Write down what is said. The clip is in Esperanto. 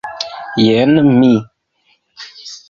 Jen mi!